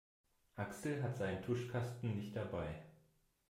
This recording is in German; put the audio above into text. Axel hat seinen Tuschkasten nicht dabei.